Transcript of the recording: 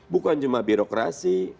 bukan cuma birokrasi